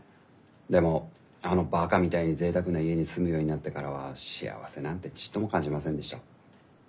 でもあのバカみたいにぜいたくな家に住むようになってからは幸せなんてちっとも感じませんでした。